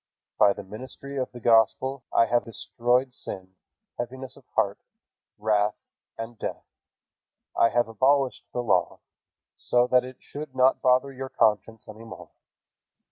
By the ministry of the Gospel I have destroyed sin, heaviness of heart, wrath, and death. I have abolished the Law, so that it should not bother your conscience any more.